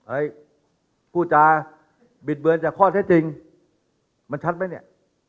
อะไรอีกผู้จารย์บิดเบือนจากข้อนเท็จจริงมันชัดมั้ยเนี่ย